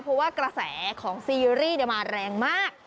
เพราะว่ากระแสของซีรีส์มาแรงมาก